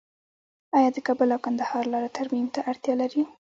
آیا د کابل او کندهار لاره ترمیم ته اړتیا لري؟